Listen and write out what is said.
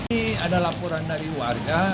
ini ada laporan dari warga